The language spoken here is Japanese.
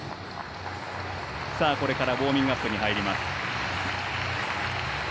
これからウォーミングアップに入ります。